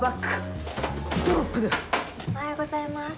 おはようございます。